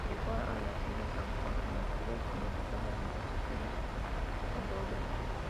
Llegó a las Islas San Juan en octubre y comenzó las negociaciones con Douglas.